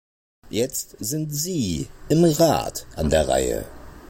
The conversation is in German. Jetzt sind Sie im Rat an der Reihe.